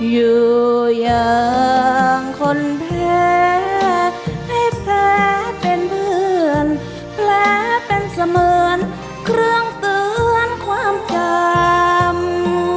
อยู่อย่างคนแพ้ให้แผลเป็นเพื่อนแผลเป็นเสมือนเครื่องเตือนความจำ